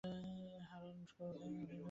হারান ক্রোধে অধীর হইয়া উঠিলেন।